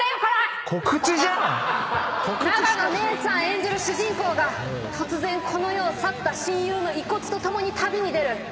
演じる主人公が突然この世を去った親友の遺骨と共に旅に出る。